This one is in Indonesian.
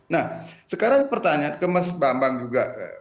nah sekarang pertanyaan ke mas bambang juga